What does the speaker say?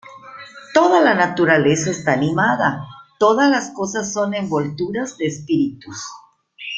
Toda la naturaleza está animada, todas las cosas son envolturas de espíritus.